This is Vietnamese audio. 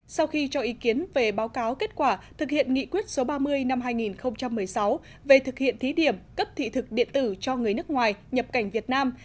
sau khi cho ý kiến về báo cáo kết quả thực hiện nghị quyết số ba mươi năm hai nghìn một mươi sáu về thực hiện thí điểm cấp thị thực điện tử cho người nước ngoài nhập cảnh việt nam